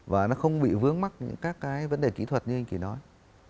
và nó không bị vướng mắc những các cái vấn đề kỹ thuật như anh chị nói